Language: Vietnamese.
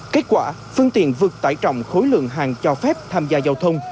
kết quả phương tiện vượt tải trọng khối lượng hàng cho phép tham gia giao thông